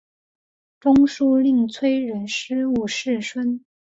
中书令崔仁师五世孙。